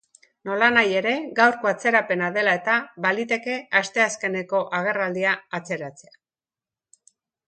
Nolanahi ere, gaurko atzerapena dela eta, baliteke asteazkeneko agerraldia atzeratzea.